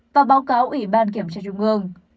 và báo cáo ủy ban kiểm tra trung ương